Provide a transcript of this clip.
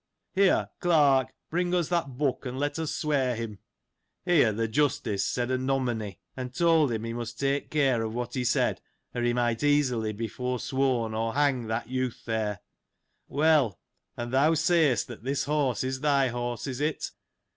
" Here, clerk, bring us that book, and let us swear him." Here, the Justice said a nomony^ and told him, he must take care of what he said, or he might easily be forsworn, or hang that youth there. — Well : and thou say'st that this horse is thy horse — is it